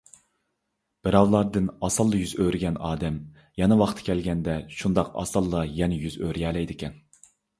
بىراۋلاردىن ئاسانلا يۈز ئۆرۈگەن ئادەم، يەنە ۋاقتى كەلگەندە شۇنداق ئاسانلا يەنە يۈز ئۆرۈيەلەيدىكەن